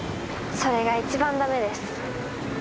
それが一番駄目です。